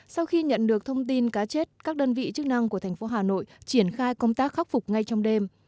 sau khi nhận được thông tin cá chết các đơn vị chức năng của thành phố hà nội triển khai công tác khắc phục ngay trong đêm